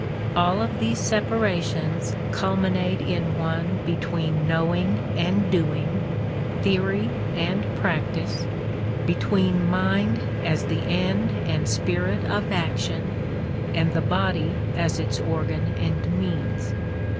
All of these separations culminate in one between knowing and doing, theory and practice, between mind as the end and spirit of action and the body as its organ and means.